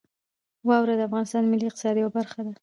واوره د افغانستان د ملي اقتصاد یوه برخه ده.